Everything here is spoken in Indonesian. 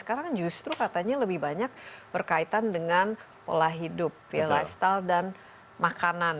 sekarang justru katanya lebih banyak berkaitan dengan pola hidup ya lifestyle dan makanan